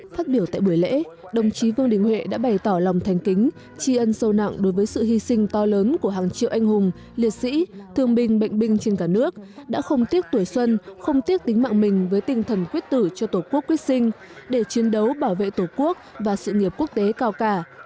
phát biểu tại buổi lễ đồng chí vương đình huệ đã bày tỏ lòng thành kính tri ân sâu nặng đối với sự hy sinh to lớn của hàng triệu anh hùng liệt sĩ thương binh bệnh binh trên cả nước đã không tiếc tuổi xuân không tiếc tính mạng mình với tinh thần quyết tử cho tổ quốc quyết sinh để chiến đấu bảo vệ tổ quốc và sự nghiệp quốc tế cao cả